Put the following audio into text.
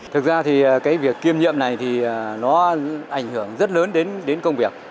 thực ra thì cái việc kiêm nhiệm này thì nó ảnh hưởng rất lớn đến công việc